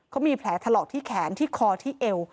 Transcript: เขามีแผลถลอกที่แขนที่คอที่เอว